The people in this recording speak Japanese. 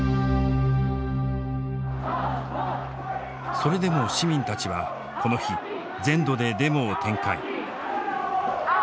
それでも市民たちはこの日全土でデモを展開。